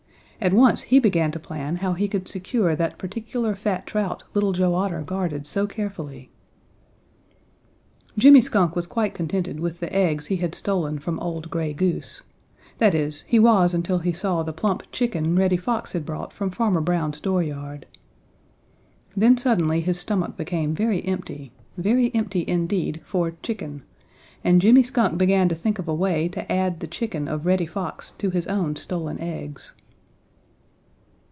At once he began to plan how he could secure that particular fat trout Little Joe Otter guarded so carefully. Jimmy Skunk was quite contented with the eggs he had stolen from old Gray Goose that is, he was until he saw the plump chicken Reddy Fox had brought from Farmer Brown's dooryard. Then suddenly his stomach became very empty, very empty indeed for chicken, and Jimmy Skunk began to think of a way to add the chicken of Reddy Fox to his own stolen eggs.